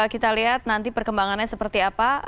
kita lihat nanti perkembangannya seperti apa